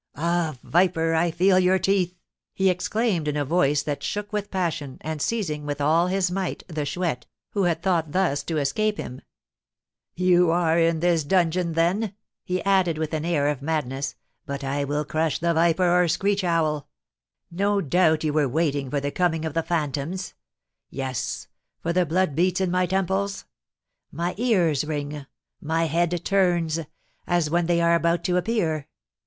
"Ah, viper, I feel your teeth!" he exclaimed in a voice that shook with passion, and seizing, with all his might, the Chouette, who had thought thus to escape him. "You are in this dungeon, then?" he added, with an air of madness. "But I will crush the viper or screech owl. No doubt you were waiting for the coming of the phantoms. Yes; for the blood beats in my temples, ? my ears ring, my head turns as when they are about to appear!